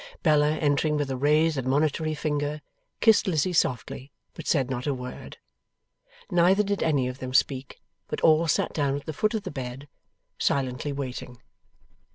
Bella, entering with a raised admonitory finger, kissed Lizzie softly, but said not a word. Neither did any of them speak, but all sat down at the foot of the bed, silently waiting.